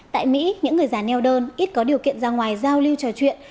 tại mỹ những người già neo đơn ít có điều kiện ra ngoài giao lưu trò chuyện